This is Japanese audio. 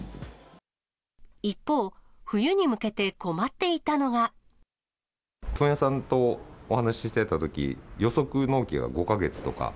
一方、問屋さんとお話ししてたとき、予測納期が５か月とか。